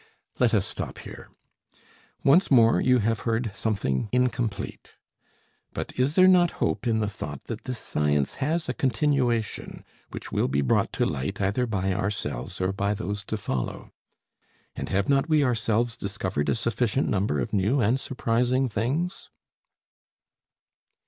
Let us stop here. Once more you have heard something incomplete; but is there not hope in the thought that this science has a continuation which will be brought to light either by ourselves or by those to follow? And have not we ourselves discovered a sufficient number of new and surprising things?